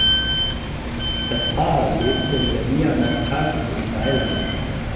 Das Paar lebt in der Via Mascagni in Mailand.